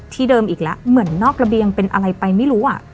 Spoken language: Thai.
เดิมอีกแล้วเหมือนนอกระเบียงเป็นอะไรไปไม่รู้อ่ะ